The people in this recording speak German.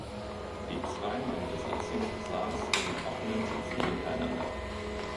Die Zwei-Mann-Besatzung saß in offenen Sitzen hintereinander.